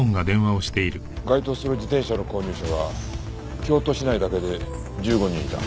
該当する自転車の購入者は京都市内だけで１５人いた。